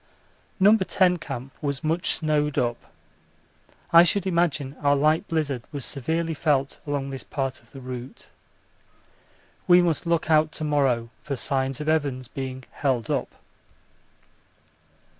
No. 10 Camp was much snowed up: I should imagine our light blizzard was severely felt along this part of the route. We must look out to morrow for signs of Evans being 'held up.'